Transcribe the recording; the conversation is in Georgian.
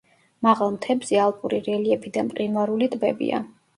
მაღალ მთებზე ალპური რელიეფი და მყინვარული ტბებია.